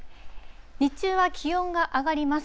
日中は気温が上がります。